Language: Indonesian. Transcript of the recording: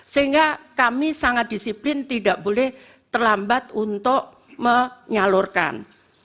sehingga kami sangat disiplin tidak boleh terlambat untuk menyalurkan